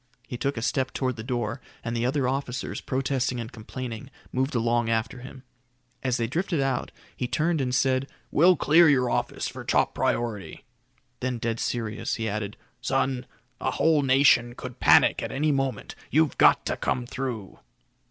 He took a step toward the door, and the other officers, protesting and complaining, moved along after him. As they drifted out, he turned and said, "We'll clear your office for top priority." Then dead serious, he added, "Son, a whole nation could panic at any moment. You've got to come through."